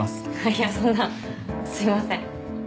いやそんなすいません